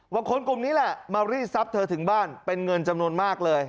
คนกลุ่มนี้แหละมารีดทรัพย์เธอถึงบ้านเป็นเงินจำนวนมากเลย